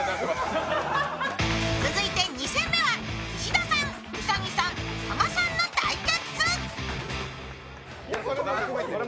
続いて２戦目は石田さん、兎さん加賀さんの対決。